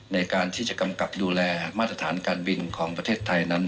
ในการที่จะกำกับดูแลมาตรฐานการบินของประเทศไทยนั้น